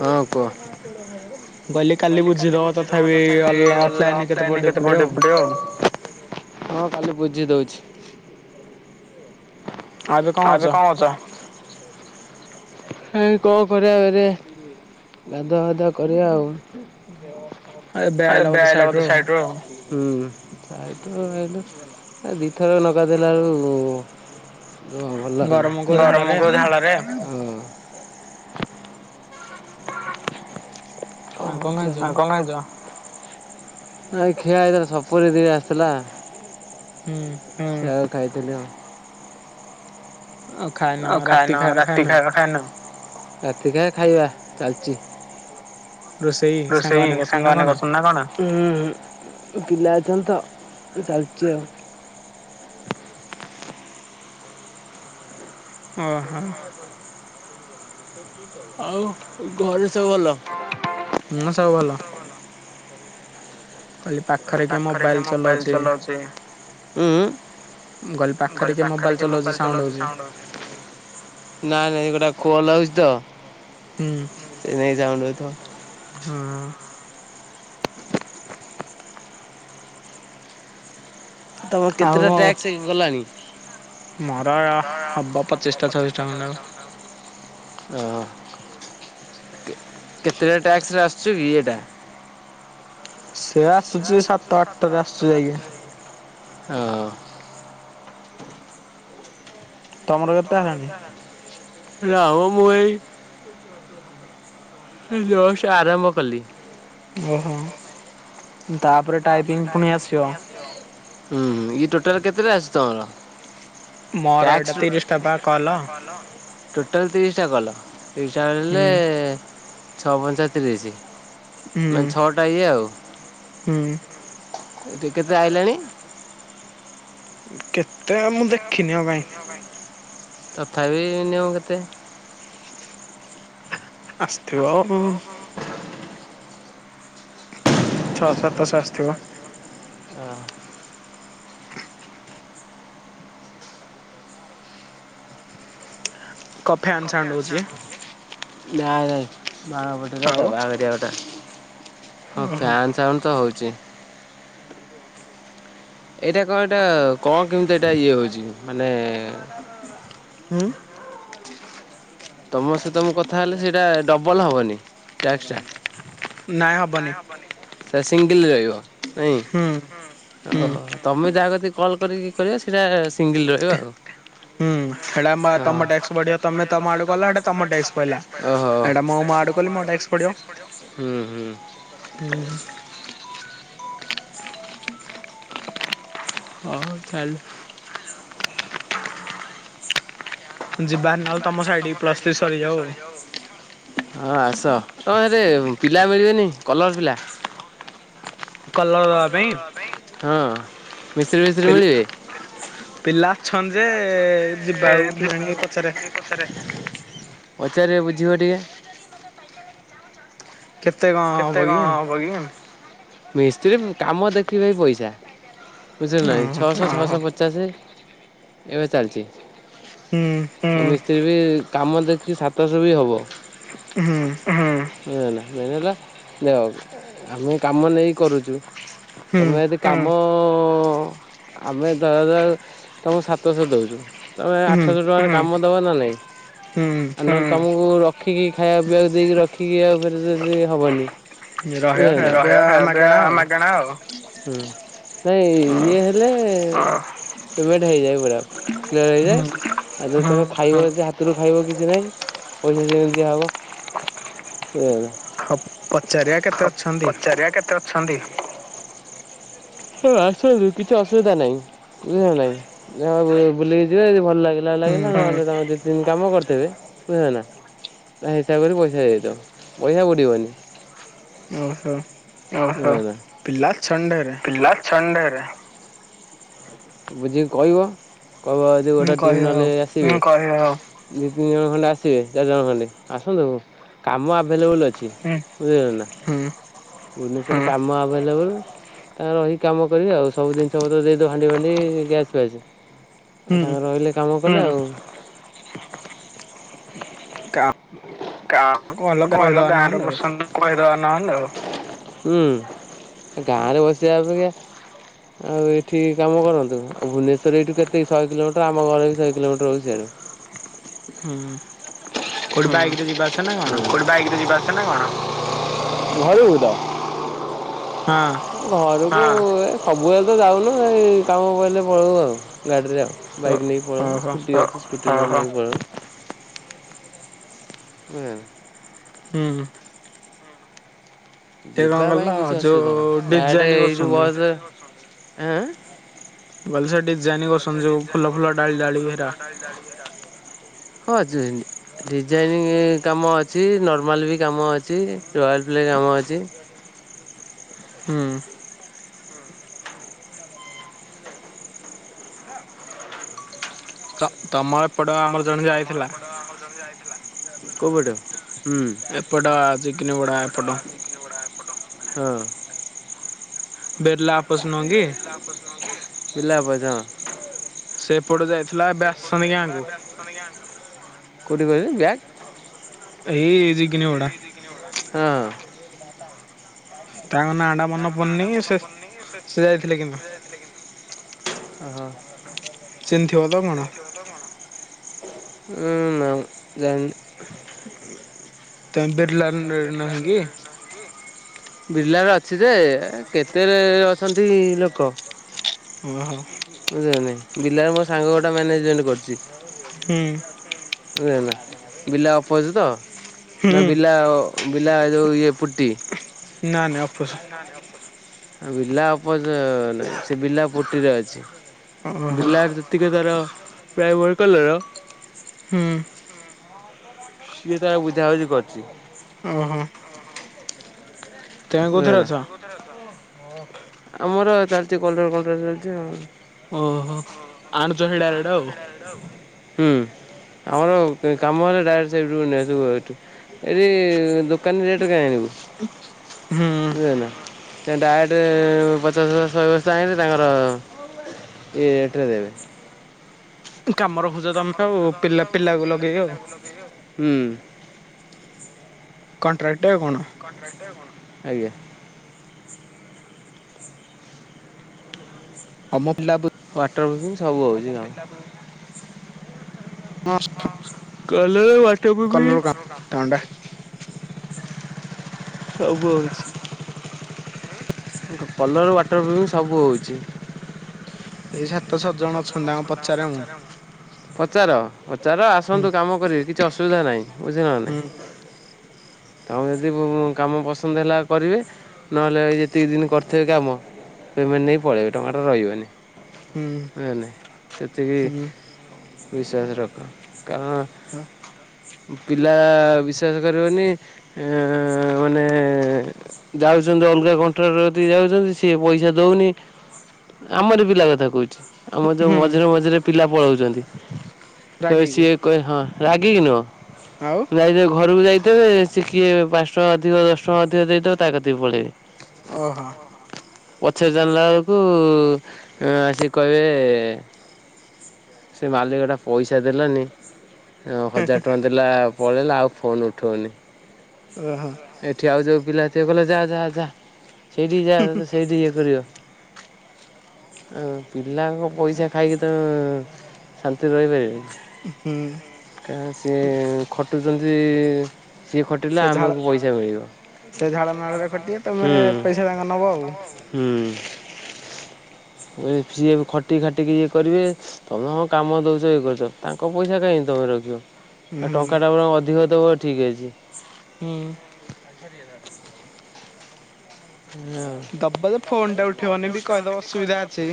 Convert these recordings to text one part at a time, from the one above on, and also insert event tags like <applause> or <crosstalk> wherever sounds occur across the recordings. ହଁ କୁହ। ମୁଁ କହିଲି କାଲି ବୁଝିଦବ ତଥାପି ଅଲ ଅଫ ଲାଇନ୍ କେତେ ପଡି ପଡିବ। ହଁ କାଲି ବୁଝିଦୋଉଚି। ଆଉ ଏବେ କଣ କରୁଚ? ହେଇ କଣ କରିବା କିରେ ଗାଧୁଆ ପାଧୁଆ କରିବା ଆଉ। ଆ ଏବେ ଆଇଲ ବୋଧେ ସାଇଟିରୁ ଆଉ। ହୁଁ ଆଇତ ଆଇଲେ ଆ ଦିଥର ନ ଗାଧେଇଲା ବେଳକୁ ଉଁ ହୁଁ ଭଲ ହୋଉ। ଗରମକୁ ଝାଳରେ ଗରମକୁ ଝାଳରେ କଣ ଆଉ ଖାଇଛ କରୁଚ? କଣ ଖାଇଚ? ନାଇ ଖିଆ ହେଇଥିଲା ସପୁରି ଦିଇଟା ଆସିଥିଲା। ହୁଁ। ହୁଁ ଯାହା ଖାଇଥିଲି ଆଉ। ଆଉ ଖାଇନ ଆଉ ରାତି ଖାଇନ ରାତି ଖାଇନ ଖାଇବା ଖାଇନ? ରୋଷେଇ ରୋଷେଇ କରୁଛନ୍ତି ନା ସାଙ୍ଗମାନେ କଣ? କରୁଚନ୍ତି ନା କଣ? ହୁଁ ପିଲା ଅଛନ୍ତି ତ ଚାଲିଚି ଆଉ। ଓହୋ। ଆଉ ଘରେ ସବୁ ଭଲ? ହଁ ସବୁ ଭଲ। ଏଇ ପାଖରେ କିଏ ମୋବାଇଲ ଚଲୋଉଚି? ଉଁ ଉଁ। ମୁଁ କହିଲି ପାଖରେ କିଏ ମୋବାଇଲ ଚଲୋଉଚି ସାଉଣ୍ଡ ହୋଉ ନା ନାଇଁ ଗୋଟେ କଲ୍ ଆଉଚି ତ। ହୁଁ। ସେଇଥିପାଇଁ ସାଉଣ୍ଡ ହୋଉଥିବ। ହୁଁ। ତମର ଆଉ କେତେଟା ଟ୍ୟାକ୍ସ ଗଲାଣି? ମୋର ହବ ପଚିଶ ଟା ଛବିଶ ଟା ଖଣ୍ଡେ। ଓଃ କେତେଟା ଟ୍ୟାକ୍ସରେ ଆସୁଚି କି ଏଟା? ସେ ଆସୁଚି ସାତ ଆଠଟାରେ ଆସୁଚି ଯାଇକି। ହଁ। ତମର କେତେ ହେଲାଣି? ନା ମ ମୁଁ ଏଇ ହେ ଜଷ୍ଟ ଆରମ୍ଭ କଲି। ଓହୋ ହୁଁ ତାପରେ ଟାଇପିଙ୍ଗ ପୁଣି ଆସିବ। ହୁଁ ହୁଁ। ଇଏ ଟୋଟାଲ କେତେଟା ଆସଛି ତମର? ମୋର ଏଇଟା ତିରିଶ ଟା ପା କଲ। ଟୋଟାଲ୍ ତିରିଶଟା କଲ ତିରିଶ ଟା କଲ୍ ହୁଁ ହେଲେ ଛଅ ପଞ୍ଚା ତିରିଶ ହୁଁ ମାନେ ଛଅଟା ଇଏ ଆଉ। ହୁଁ। <unintelligible> କେତେ ଆଇଲାଣି? କେତେ ଆଉ ମୁଁ ଦେଖିନି ଆଉ କାଇଁ। ତଥାପି ମିନିମମ୍ କେତେ? ଆସିଥିବ ଆଉ। ଛଅ ସାତଶହ ଆସିଥିବ। ହଁ। କ ଫ୍ୟାନ୍ ସ୍ ନାଇଁ ନାଇଁ ବାଣ ଫୁଟିଲା ତ ଆଉ ବାହାଘର ଗୋଟେ। ହଁ ଓହୋ। ଫ୍ୟାନ ସାଉଣ୍ଡ ତ ହଉଛି। <inaudible> ଏଇଟା କଣ ଏଇଟା କଣ କେମିତି ଏଇଟା ଇଏ ହେଉଛି ମାନେ ତୁମ ସହିତ ମୁଁ କଥା ହେଲେ ସେଇଟା ଡବଲ୍ ହେବନି ଟ୍ୟାକ୍ସଟା? ନାଇଁ ହବନି। ସେ ସିଙ୍ଗିଲ ରହିବ ନାଇଁ? ହୁଁ ହୁଁ। ଓ ହୋ ତମେ ଯାହା କତିକି କଲ୍ କରିକି କରିବ ସେଇଟା ସିଙ୍ଗିଲ ରହିବ ଆଉ। ହେଟା ହୁଁ ମ ସେଇଟା ଟ୍ୟାକ୍ସ ତମ ବଢିବ ଟାସ୍କ ବଢ଼ିବ ତମେ ଆଡୁ ତମ ହେଟା ଆଡ଼ୁ କଲ ଏଇଟା ଟ୍ୟାକ୍ସ ତମ ପଇଲା। ଟାସ୍କ ବଢ଼ିବ ଏଇଟା ମୁଁ ମୋ ଆଡ଼ୁ କଲି ମୋ ଟାସ୍କ ବଢ଼ିବ। ହୁଁ। ହଉ ଚାଲୁ। ଯିବା ଭାରି ନାହେଲେ ତମ ସାଇଡି କୁ ପ୍ଲସ୍ ଥ୍ରୀ ସରିଯାଉ। ହଁ ଆସ। ତମର ସେଠି ପିଲା ମିଳିବେନି କଲର ପିଲା? କଲର ଦବା ପାଇଁ ହଁ ମିସ୍ତ୍ରୀ ଫିସ୍ତ୍ରୀ ପିଲ୍ ମିଳିବେ? ପିଲା ଅଛନ୍ତି ଯେ ଯିବାକୁ କେଜାଣି ପଚାରେ। ପଚାରିବ ବୁଝିବ ଟିକେ। କେତେ କଣ କେତେ କି? କଣ ହବ କିି? ମିସ୍ତ୍ରୀ <unintelligible> କାମ ଦେଖିବେ ପଇସା ବୁଝିଲୁ ନା ନାହିଁ ଓହୋ ଛଅଶହ ଛଅଶହ ପ ଚାଷ୍ ରେ ଏବେ ଚାଲିଛି। ହୁଁ। ମିସ୍ତ୍ରୀ ବି କାମ ଦେଖିକି ସାତଶହ ବି ହବ। ହୁଁ ବୁଝିଲୁ ନା ନାଇଁ ମେନ୍ ହେଲା ମୋ ହୋଉ ଆମେ କାମ ନେଇ କରୁଛୁ ହୁଁ ତମେ ଯଦି କାମ ଆମେ ଧରାଯାଉ ତମକୁ ସାତଶହ ଦେଉଛୁ ତମେ ହୁଁ ଆଠଶହ ଟଙ୍କାରେ କାମ ଦେବ ନା ନାହିଁ? ହୁଁ ଆଉ ନହେଲେ ତମକୁ ରଖିକି ଖାଇବା ପିଇବାକୁ ଦେଇକି ରଖିକି ଆଉ ଫେରେ ଯଦି ହବନି ଖାଇବା ରହିବା ଖାଇବା ପିଇବା ମାଗଣା ଆଉ ମାଗେଣା ଆଉ। ହୁଁ। ନାଇଁ ଇଏ ହେଲେ ପେମେଣ୍ଟ ହେଇଯାଏ ପୁରା। କ୍ଲିୟର୍ ହୁଁ ହେଇଯାଏ। ଆଉ ଯୋଉ ଥରକୁ ଖାଇବ ଯଦି ହାତରୁ ଖାଇବ କିଛି ନାହିଁ ପଇସା ସେମିତିି ଦିଆ ହବ। <unintelligible> ହଉ ପଚାରିବା କେତେ ଅଛନ୍ତି? ପଚାରିବା କେତେ ଅଛନ୍ତି। ହଁ ଆସନ୍ତୁ କିଛି ଅସୁବିଧା ନାଇଁ ବୁଝିଲ ନା ନାଇଁ? ଯାହା ହବ ବୁଲିବେ ବୁଲିକି ଯିବେ <unintelligible> ଭଲ ଲାଗିଲା ହୁଁ ଲାଗିଲା ନହେଲେ ତମେ ଯେତିକି ଦିନ କାମ କରିଥିବେ ବୁଝିଲେ ନା ତା ହିସାବ କରି ପଇସା ଦେଇଦବ ପଇସା ବୁଡ଼ିବନି। ଓହୋ। <unintelligible> ପିଲା ଛଣ୍ଡେରେ। ପିଲା ଛଣ୍ଡେରେ ବୁଝିକି କହିବ। କହିବ ଯଦି ହୁଁ ଗୋଟେ ଟିମ୍ କହିବା ଆଉ ନହେଲେ ଆସ ହୁଁ କହିବା ଆଉ ଦି ତିନି ଜଣ ଖଣ୍ଡେ ଆସିବେ ଚାରି ଜଣ ଖଣ୍ଡେ ଆସନ୍ତୁ। କାମ ଆଭେଲେବୁଲ ଅଛି ହୁଁ ବୁଝିଲ ନା। ହୁଁ ଭୁବନେଶ୍ବର କାମ ଆଭେଲେବୁଲ। ତାଙ୍କର ରହିି କାମ କରିବେ ଆଉ ସବୁ ଜିନିଷ ପତ୍ର ଦେଇଦବ ଭାଣ୍ଡି ଫାଣ୍ଡି ଗ୍ୟାସ୍ ଫ୍ୟାସ୍। ଆଉ ହୁଁ ତାଙ୍କର ରହିଲେ କାମ କଲେ ଆଉ। କା କା କହିଲ କଁଲ କହିଦବା ଗାଁ ରେ ନହେଲେ ଆଉ ପସନ୍ଦ। କହିଦବା ନହେଲେ ଆଉ ହୁଁ ଗାଁ ରେ ବସିବା ଅପେକ୍ଷା ଆଉ ଏଠି କାମ କରନ୍ତୁ ଆଉ ଭୁବେଶ୍ୱରରେ ଏଇଠୁ କେତେ କି ଶହେ କିଲୋମିଟର ଆମ ଘରେ ବି ଶହେ କିଲୋମିଟର ହଉଛି ସାଡୁ। ହୁଁ। କୋଉଠି ବାଇକ୍ ରେ ଯିବା ଆସିବା ନା କଣ? ହୁଁ କୋଠୁ ବାଇକ୍ <unintelligible> ନା କଣ ଘରୁକୁ ତ? ହଁ। ଘରୁକୁ ଏ ସବୁବେଳେ ତ ଯାଉନୁ ଏଇ କାମ ପଇଲେ ପଳଉ ଆଉ ଗାଡିରେ ଆଉ। ଓ ବାଇକ୍ ନେଇ ପଳଉ ଓହୋ ସ୍କୁଟି ଅଛି ସ୍କୁଟି ନେଇକି ପଳଉ। <unintelligible> ହୁଁ। ସେ କଣ ଯିବା ପାଇଁ କହିଲ କିଛି ଯୋଉ ଅସୁବିଧା ନାହିଁ ଡାଇରେକ୍ଟେ ଡିଜାଇନ ଏଇଠୁ କରୁଛନ୍ତି। ବସ ଆଁ? ମୁଁ କହିଲି ସେ ଡିଜାଇନ କୁ ମୁଁ କହିଲି ସେ ଡିଜାଇନ୍ କୁ ସୁ ଯଉ ଫୁଲ ଫୁଲ ଡାଳି ଡାଳି ଏରା ସବୁ ହଁ ଯେ ଡିଜାଇନିଂ କାମ ଅଛି ନର୍ମାଲ ବି କାମ ଅଛି ରୟାଲ୍ ପ୍ଲେ କାମ ଅଛି। ହୁଁ। ଅ ତମର ଏପଟ ଆମର ଜଣେ ଯାଇଥିଲା ତ ଆମର ଜଣେ ଯାଇଥିଲା କଉପଟେ ହୁଁ ଏପଟ ଚିକିନିଗୁଡା ସେପଟ ଏପଟ। ଆସି ନିବୁଡା ଏପଟ ହଁ। ବେର୍ଲାପ ପିଲାପଜ ମନ୍ଦିର ପିଲାପଜ ହଁ। ସେପଟୁ ଯାଇଥିଲା ଏବେ ଆସଛନ୍ତି ଗାଁକୁ ଆସିଛନ୍ତି ଗାଁ କୁ କୋଉଠି କହିଲେ ଗ୍ୟାକ। ଏଇ ଜିଗିନି ଗଡା। ଜିଗିନି ଗଡା ହଁ। ତାଙ୍କ ନାଟା ତାଙ୍କ ନାଁ ଟା ମନେ ପଢୁନି କି ସେ କିନ୍ତୁ ସେଜାଇଥିଲେ କିନ୍ତୁ ହଁ। ଚିହ୍ନି ଥିବତ କଣ? <unintelligible> ଉଁ ନାଁ ଯାଣିନି। <unintelligible> ତମେ ବେର୍ଲାଡେ ନାହିଁ କି? ବିର୍ଲାରେ ଅଛି ଯେ କେତେରେ ଅଛନ୍ତି ଲୋକ। ଓହୋ। ବୁଝିଲ ନାହିଁ ବିଲାରେ ମୋ ସାଙ୍ଗ ଗୋଟେ ମ୍ୟାନେଜମେଣ୍ଟ କରିୁଛି। ହୁଁ। ବୁଝିଲନା ବିିଲା ଅପୋଜତ ହୁଁ ନାବି ବିଲା ଅ ବିଲା ଇଏ ଯୋଉ ଇଏ ପୁଟି ନା ଅପୋସ ନାଇଁ ନାଇଁ ଅପଜ। ବିଲା ଅପଜ ନାହଁ ସେ ବିଲା ପୁଟିରେ ଅଛି ଓହୋ ବିଲା ଯ ଟିକେ ତାର ପ୍ରାଇମର କଲର ହୁଁ। ସିଏ ତାର ବୁଝାବୁଝି କରିୁଛି। ଉ ହୁଁ କୋଉଥିରେ ବୁଝିଲେନା ଅଛ? ଆମର ଚାଲିଛି କଲର କଣ୍ଟାଟ୍ରିଙ୍ଗ ଚାଲିଛି ଆଉ ଓହୋ ଆଣୁଛ ହେରି ଡାଇରେକ୍ଟ ଆଉ ହୁଁ ଆମର କାମ ହେଲା ଡାଇରେକ୍ଟ ସେଇଠୁ ନେଇ ଆସିବୁ ଏଠୁ ଏଇଠି ଦୋକାନୀ ରେଟ୍ ରେ କାହିଁ ଆଣିବୁ? <inaudible> ହୁଁ। ବୁଝିଲେନା ତ ଡାରେକ୍ଟ ପଚାଶ ବସ୍ତା ଶହେ ବସ୍ତା ଆଇଁଲେ ତାଙ୍କର ଏଇ ରେଟ୍ ରେ ଦେବେ। କାମ ରଖୁଚ଼ ତମେ ଆଉ ପିଲା ପିଲାକୁ ଲଗେଇ ଆଉ ହୁଁ କଣ୍ଟ୍ରାକ୍ଟ୍ରି ଆଉ କଣ? ଆଜ୍ଞା। ତମ ପିଲାପରି। ୱାଟର ପୃଫିଙ୍ଗ୍ ସବୁ ହେଉଛି କାମ <unintelligible> କଲର ୱାଟର କଲର ପ୍ରୁଫିଙ୍ଗ୍। କାମ ତାଣ୍ଡା ସବୁ ହଉଛି। କଲର୍ ୱାଟର ପ୍ରୁଫିଙ୍ଗ ସବୁ ହେଉଛି। ଏଇ ସାତ ଛଅ ଜଣ ଅଛନ୍ତି ତାଙ୍କୁ ପଚାରେ ମୁଁ ପଚାର ପଚାର ଆସନ୍ତୁ କାମ କରିବି କିଛି ଅସୁବିଧା ନାହିଁ ବୁଝିଲ ନା ହୁଁ ନାହିଁ। ତମ ଯଦି ବ ବ କାମ ପସନ୍ଦ ହେଲା କରିବେ ନହେଲେ ଯେତିକି ଦିନ କରିଥିବେ କାମ, ପେମେଣ୍ଟ ନେଇ ପଳାଇବେ ଟଙ୍କାଟା ରହିବନି। ହୁଁ ନାଇଁ ନାଇଁ ସେତିକି ହୁଁ ବିଶ୍ୱାସ ରଖ ହୁଁ କଁ ପିଲା ବିଶ୍ଵାସ କରିବନି ଏଁ ଏ ଏ ମାନେ ଯାଉଛନ୍ତି ଅଲଗା କଣ୍ଟ୍ରି ରେ ରତିକି ଯାଉଛନ୍ତି ସିଏ ପଇସା ଦେଉନି ଆମର ପିଲା କଥା କହୁଛି। ଆମର ଯୋଉ ହୁଁ ମଝିରେ ମଝିରେ ପିଲା ପଳାଉଛନ୍ତି ତ ରାଗିକି ସିଏ କହିବେ ହଁ ରାଗିକିି ନୁହଁ ଆଉ ଯାଇଥିବେ ଘରକୁ ଯାଇଥେବେ ସେ କିଏ ପାଞ୍ଚ ଟଙ୍କା ଅଧିକ ଦଶ ଟଙ୍କା ଅଧିକ ଦେଇଥବ ତାକ ତିକି ପଳେଇବେ। ଓହୋ ପଛରେ ଜାଣିଲା ବେଳକୁ ଆସି କହିବେ ସେ ମାଲିକଟା ପଇସା ଦେଲାନି ହଜାର ଟଙ୍କା ଦେଲା ପଳେଇଲା ଆଉ ଫୋନ୍ ଉଠାଉନି। ଓହୋ। ଏଠି ଆଉ ଯୋଉ ପିଲା ଥିବେ କହିଲେ ଯା ଯା ଯା ସେଇଠିକି ଯା ସେଇଠି ଇଏ କରିବ। ଉଁ ପିଲାଙ୍କ ପଇସା ଖାଇକି ତମେ ଶାନ୍ତିରେ ରହିପାରିବ? ହୁଁ। କାଇଁ ସିଏ ଖଟୁଛନ୍ତି ସିଏ ଖଟିଲେ ସେ ଝାଳ ଆମକୁ ପଇସା ମିଳିବ। ସେ ଝାଳ ନାଳରେ ଖଟିବେ ତମେ ହୁଁ। ପଇସା ତାଙ୍କ ନବ ଆଉ ହୁଁ ସିଏ ଖଟିି ଖାଟିକି ଇଏ କରିବେ ତମେ ହଁ କାମ ଦଉଛ ଇଏ କରୁଛ ତାଙ୍କ ପଇସା କାହିଁକି ତମେ ରଖିବ? ଆଉ ହୁଁ ଟଙ୍କାଟା ବରଂ ଅଧିକ ଦବ ଠିକ ଅଛି। ହୁଁ ଅଛି। ଦବ ଯେ ଫୋନ ଟା ଉଠିବନି ବି କହିଦବ ଅସୁବିଧା ଅଛି।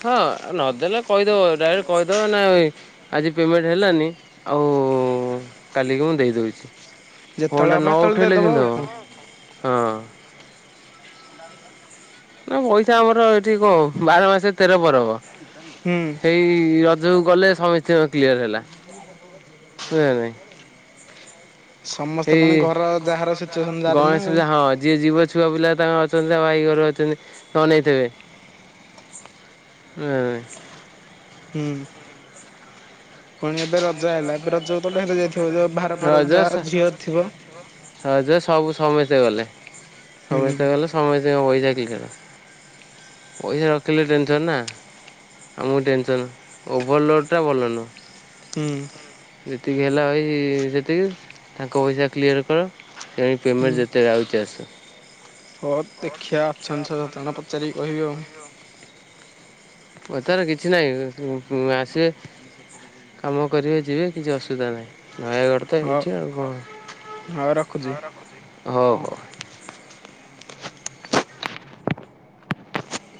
ହଁ ନଦେଲେ କହିଦବ ଡାଇରେକ୍ଟ କହିଦବ ନା ଭାଇ ଆଜି ପେମେଣ୍ଟ ହେଲାନି ଆଉ କାଲିକି ମୁଁ ଦେଇଦଉଛି। ଫୋନ୍ ଯେତେବେଳେ ଟା ହବ ସେତେବେଳେ ନଉଠେଇଲେ ଦେଇଦବ କେମିତି ଆଉ କଣ ହେବ। ହଁ ନା ପଇସା ଆମର ଏଠି କଣ ବାର ମାସେ ତେର ପରବ। ହୁଁ ହେଇ ରଜକୁ ଗଲେ ସମିସ୍ତିଙ୍କର କ୍ଲିୟର ହେଲା। ବୁହ ନା ନାହିଁ। ସମସ୍ତେ ହେଇ ପୁଣି ଘର ଯାହାର ସିଚୁଏସନ ଯାହାର ନା ଗଣେଶ ଆଉ ପୁଯା ହଁ। ଯିଏ ଯୀବ ଛୁଆ ପିଲା ତାଙ୍କର ଅଛନ୍ତି ଭାଇ ଘର ଅଛନ୍ତି ଅନେଇଥିବେ। ହୁଁ <unintelligible> ହୁଁ ପୁଣି ଏବେ ରଜ ଆଇଲା ଏବେ ରଜକୁ ଢେର ଯାଇଥିବ। ଭାର ଫାର ଯାହା ଝିଅ ଥିବ। ରଜ ସବୁ ସମସ୍ତେ ଗଲେ। ହୁଁ ସମସ୍ତେ ଗଲେ ସମସ୍ତ ଙ୍କପଇସା କ୍ଲିୟର। ପଇସା ରଖିଲେ ଟେନସନ୍ ନା। ଆମକୁ ଟେନସନ୍। ଓଭରଲୋଡ଼୍ ଟା ଭଲ ନୁହ। ହୁଁ। ଯେତିକି ହେଲା ଭାଇ ସେତିକି, ତାଙ୍କ ପଇସା କ୍ଲିୟର କର। ସେ ପେମେଣ୍ଟ ଯେତେ ଆଉଛି ଆସୁ। ହଁ ଦେଖିବା ଅଛନ୍ତି ଛ ସତ ଜଣ ପଚାରିକି କହିବି ଆଉ। ପଚାରେ କିଛି ନାହିଁ। ଆସିବେ କାମ କରିବେ ଯିବେ କିଛି ଅସୁବିଧା ନାହିଁ। ନୟାଗଡ଼ ତ ହଉ ଏଇଠି ଆଉ କଣ ହଉ ରଖୁଛି। ହଉ ହଉ।